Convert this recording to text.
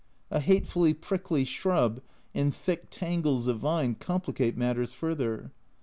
A hatefully prickly shrub and thick tangles of vine complicate matters further.